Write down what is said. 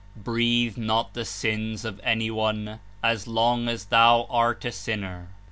Breathe not the sins of any one as long as thou art a sinner.